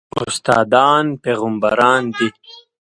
استادان پېغمبران دي